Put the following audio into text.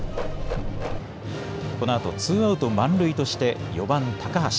このあとツーアウト満塁として４番・高橋。